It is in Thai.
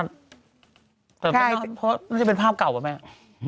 น่าจะเป็นภาพเก่าหรือเปล่าแม่